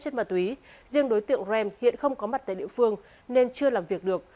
trên mặt túy riêng đối tượng rem hiện không có mặt tại địa phương nên chưa làm việc được